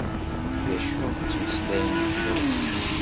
D acu i ttmeslayen di Temrikt?